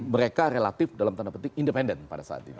mereka relatif dalam tanda penting independen pada saat ini